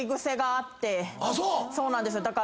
あっそう⁉そうなんですよ。